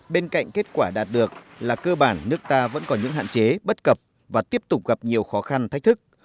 bên cạnh kết quả đạt được là cơ bản nước ta vẫn còn những hạn chế bất cập và tiếp tục gặp nhiều khó khăn thách thức